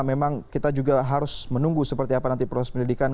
memang kita juga harus menunggu seperti apa nanti proses pendidikan